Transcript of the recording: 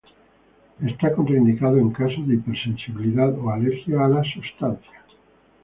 Está contraindicado en caso de hipersensibilidad o alergia a la sustancia.